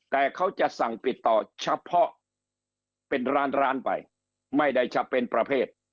แต่เขาจะสั่งปิดต่อเฉพาะเป็นร้านร้านไปไม่ได้จะเป็นประเภท